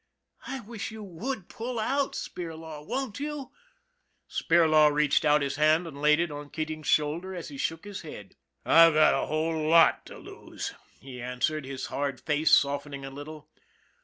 I wish you would pull out, Spirlaw, won't you? " Spirlaw reached out his hand and laid it on Keat ing's shoulder, as he shook his head. " I've got a whole lot to lose," he answered, his hard face softening a little.